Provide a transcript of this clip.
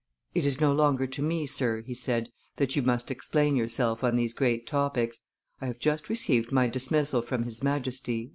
"It is no longer to me, sir," he said, "that you must explain yourself on these great topics; I have just received my dismissal from his Majesty."